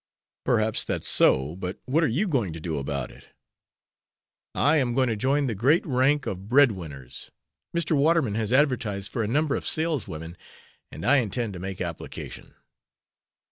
"Perhaps that's so, but what are you going to do about it?" "I am going to join the great rank of bread winners. Mr. Waterman has advertised for a number of saleswomen, and I intend to make application."